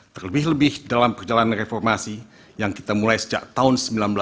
terlebih lebih dalam perjalanan reformasi yang kita mulai sejak tahun seribu sembilan ratus delapan puluh